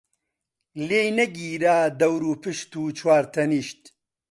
لێی نەگیرا دەوروپشت و چوار تەنیشت،